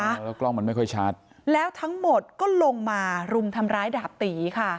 แล้วกล้องมันไม่ค่อยชัดแล้วทั้งหมดก็ลงมารุมทำร้ายดาบตีค่ะ